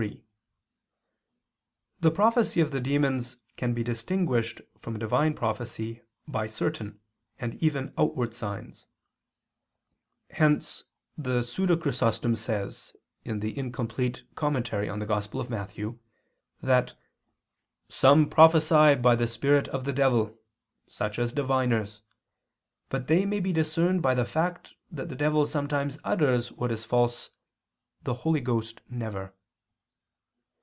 3: The prophecy of the demons can be distinguished from Divine prophecy by certain, and even outward, signs. Hence Chrysostom says [*Opus Imperf. in Matth., Hom. xix, falsely ascribed to St. John Chrysostom] that "some prophesy by the spirit of the devil, such as diviners, but they may be discerned by the fact that the devil sometimes utters what is false, the Holy Ghost never."